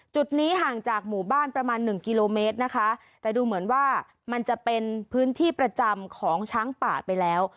จุดนี้ห่างจากหมู่บ้านประมาณหนึ่งกิโลเมตรนะคะแต่ดูเหมือนว่ามันจะเป็นพื้นที่ประจำของช้างป่าไปแล้ว